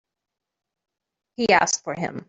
He asked for him.